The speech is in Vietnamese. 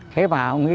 thế mà ông ấy